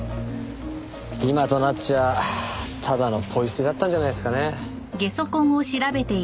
今となっちゃただのポイ捨てだったんじゃないですかね。